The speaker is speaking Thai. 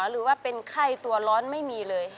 หรือว่าเป็นไข้ตัวร้อนไม่มีเลย